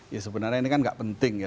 ya sebenarnya ini kan gak penting ya